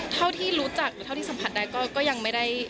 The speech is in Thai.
เท่าที่รู้จักหรือเท่าที่สัมผัสได้ก็ยังไม่ได้